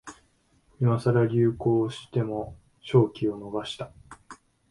今さら流行しても商機を逃した